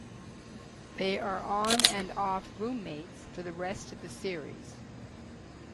They are on-and-off roommates for the rest of the series.